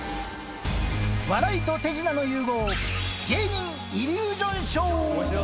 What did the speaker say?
笑いと手品の融合、芸人イリュージョンショー。